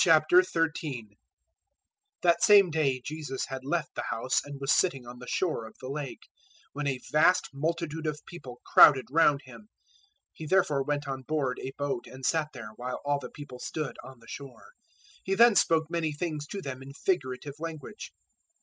013:001 That same day Jesus had left the house and was sitting on the shore of the Lake, 013:002 when a vast multitude of people crowded round Him. He therefore went on board a boat and sat there, while all the people stood on the shore. 013:003 He then spoke many things to them in figurative language.